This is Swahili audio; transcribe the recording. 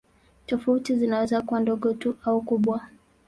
Tofauti zinaweza kuwa ndogo tu au kubwa.